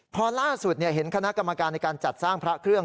พอล่าสุดเห็นคณะกรรมการในการจัดสร้างพระเครื่อง